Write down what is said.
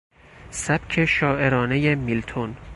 سبک شاعرانهی میلتون